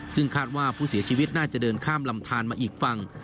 ซึ่งคาดว่าผู้เสียชีวิตน่าจะเดินข้ามลำทานมาอีกฝั่ง